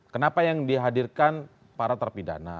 kenapa yang dihadirkan para terpidana